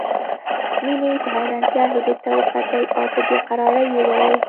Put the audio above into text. مينې په حيرانتيا هيلې ته وکتل او په بې قرارۍ يې وويل